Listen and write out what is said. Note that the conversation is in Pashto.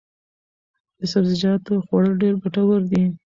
د سبزیجاتو خوړل ډېر ګټور دي.